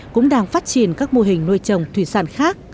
cũng đang phát triển các mô hình nuôi trồng thủy sản khác